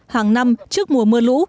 hàng năm trước mùa mưa lũ